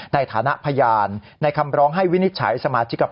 ในฐถายานในคำร้องให้วินิจฉยสมาธิกภาพ